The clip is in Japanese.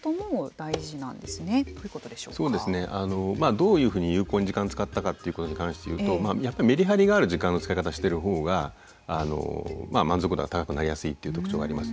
どういうふうに有効に時間使ったかっていうことに関して言うとやっぱりメリハリがある時間の使い方してる方が満足度が高くなりやすいっていう特徴があります。